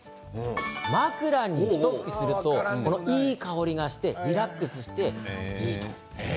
枕に、ひと吹きするといい香りがしてリラックスしていいと。